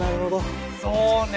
そうね。